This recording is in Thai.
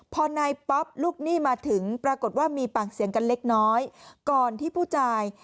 พอนายป๊อปลูกหนี้มาถึงปรากฏว่ามีปากเสียงกันเล็กน้อย